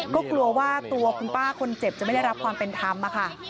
ก็กลัวว่าตัวคุณป้าคนเจ็บจะไม่ได้รับความเป็นธรรมค่ะ